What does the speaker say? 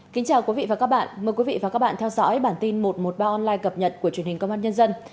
kính chào quý vị và các bạn mời quý vị và các bạn theo dõi bản tin một trăm một mươi ba online cập nhật của truyền hình công an nhân dân